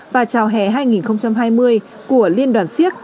và chào hè hai nghìn hai mươi của liên đoàn siếc